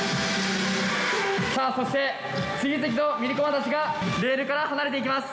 さあそして次々とミニコマたちがレールから離れていきます。